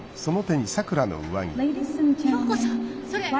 響子さんそれ。